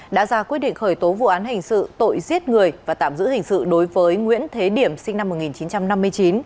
đã ra quyết định khởi tố vụ án hình sự tội giết người và tạm giữ hình sự đối với nguyễn thế điểm sinh năm một nghìn chín trăm năm mươi chín